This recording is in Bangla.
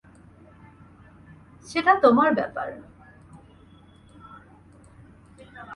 সেটা তোমার ব্যাপার।